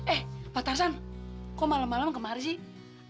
eh pak tarzan kok malem malem kemarin sih